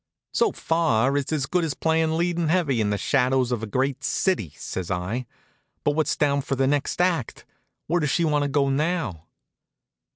"So far it's as good as playin' leading heavy in 'The Shadows of a Great City,'" says I, "but what's down for the next act? Where does she want to go now?"